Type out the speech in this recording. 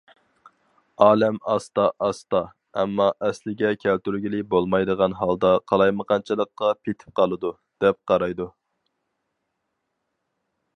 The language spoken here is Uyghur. ئالەم ئاستا- ئاستا، ئەمما ئەسلىگە كەلتۈرگىلى بولمايدىغان ھالدا قالايمىقانچىلىققا پېتىپ قالىدۇ، دەپ قارايدۇ.